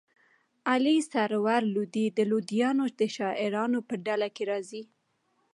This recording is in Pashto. علي سرور لودي د لودیانو د شاعرانو په ډله کښي راځي.